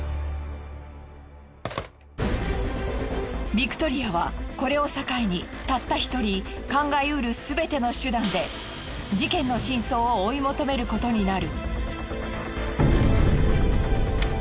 ビクトリアはこれを境にたった１人考えうるすべての手段で事件の真相を追い求めることになる。